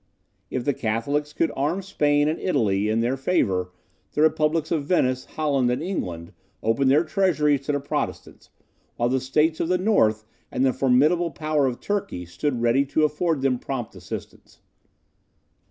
If the Catholics could arm Spain and Italy in their favour, the republics of Venice, Holland, and England, opened their treasures to the Protestants, while the states of the North and the formidable power of Turkey, stood ready to afford them prompt assistance.